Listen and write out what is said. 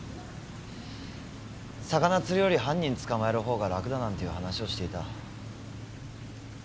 魚釣るより犯人捕まえる方が楽だなんていう話をしていた。